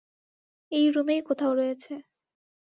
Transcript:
এই রুমেই কোথাও রয়েছে।